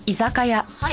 はい。